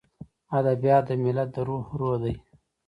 ادبیات د ملت د روح روح دی.